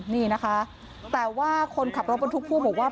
นี่นะคะแต่ว่าคนขับรถบรรทุกพ่วงบอกว่า